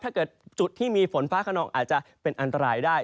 ถ้าเกิดจุดที่มีฝนฟ้าข้างนอกอาจจะเป็นอันตรายได้